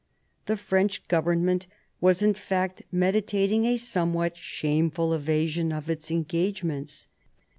The French Government was in fact medi tating a somewhat shameful evasion of its engagements.